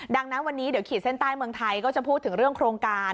ดังนั้นวันนี้เดี๋ยวขีดเส้นใต้เมืองไทยก็จะพูดถึงเรื่องโครงการ